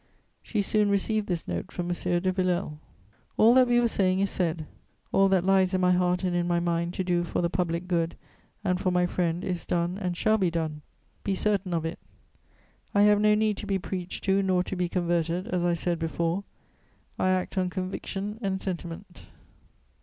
She soon received this note from M. de Villèle: "All that we were saying is said; all that lies in my heart and in my mind to do for the public good and for my friend is done and shall be done, be certain of it. I have no need to be preached to nor to be converted, as I said before; I act on conviction and sentiment.